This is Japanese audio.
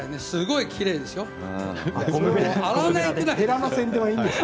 すごいきれいでしょう？